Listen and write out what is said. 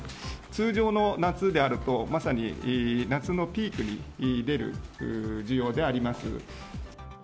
通常の夏であると、まさに夏のピークに出る需要であります。